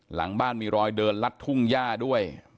หลังบ้านมีรอยเดินลัดทุ่งย่าด้วย